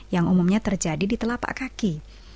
yang umumnya terjadi di telapak kaki